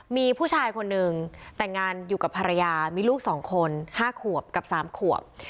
มีผู้ชายคนหนึ่งแต่งงานอยู่กับภรรยามีลูก๒คน๕ขวบกับ๓ขวบ